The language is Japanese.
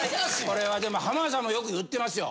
これはでも浜田さんもよく言ってますよ。